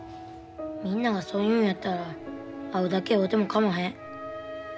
みんながそう言うんやったら会うだけ会うてもかまへん。